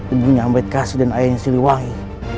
ibunya ambedkasi dan ayahnya siliwangi